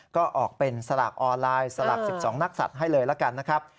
ก็ออกเป็นสลากออนไลน์สลาก๑๒นักศัตริย์ให้เลยละกันนะครับ